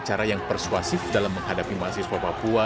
cara yang persuasif dalam menghadapi mahasiswa papua